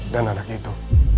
dan anak itu